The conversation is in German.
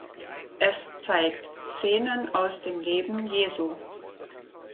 Es zeigt Szenen aus dem Leben Jesu.